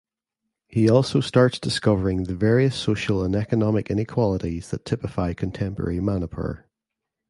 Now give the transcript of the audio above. He also starts discovering the various social and economic inequalities that typify contemporary Manipur.